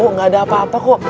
oh nggak ada apa apa kok